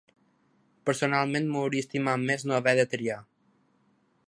Personalment m’hauria estimat més no haver de triar.